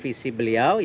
mas ini tadi tadi